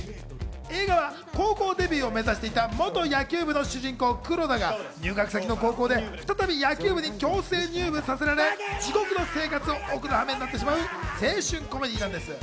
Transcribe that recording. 映画は高校デビューを目指していた元野球部の主人公・黒田が入学先の高校で再び野球部に強制入部させられ、地獄の生活を送る羽目になってしまう青春コメディーなんです。